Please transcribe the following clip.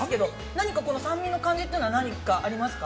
何か酸味の感じというのは、何かありますか。